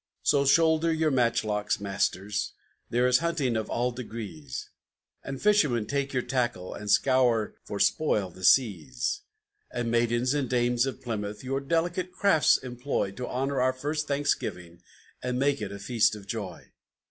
"So shoulder your matchlocks, masters: there is hunting of all degrees; And fishermen, take your tackle, and scour for spoil the seas; And maidens and dames of Plymouth, your delicate crafts employ To honor our First Thanksgiving, and make it a feast of joy!